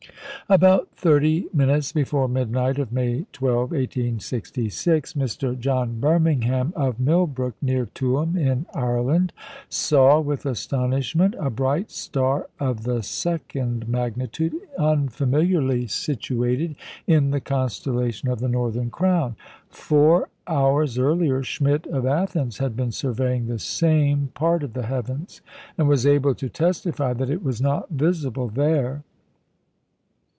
About thirty minutes before midnight of May 12, 1866, Mr. John Birmingham of Millbrook, near Tuam, in Ireland, saw with astonishment a bright star of the second magnitude unfamiliarly situated in the constellation of the Northern Crown. Four hours earlier, Schmidt of Athens had been surveying the same part of the heavens, and was able to testify that it was not visible there.